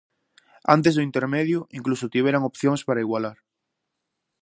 Antes do intermedio incluso tiveran opcións para igualar.